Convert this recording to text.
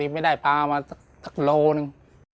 ไม่ได้พันว์มาสักโลหนึ่ง